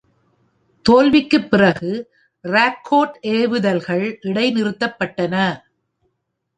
தோல்விக்குப் பிறகு, ராக்கோட் ஏவுதல்கள் இடைநிறுத்தப்பட்டன.